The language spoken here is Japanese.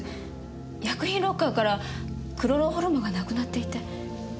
薬品ロッカーからクロロホルムがなくなっていて。